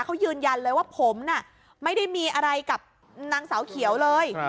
เขายืนยันเลยว่าผมน่ะไม่ได้มีอะไรกับนางสาวเขียวเลย